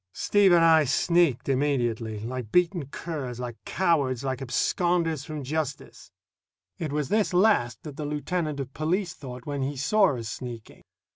Steve and I sneaked immediately, like beaten curs, like cowards, like absconders from justice. It was this last that the lieutenant of police thought when he saw us sneaking.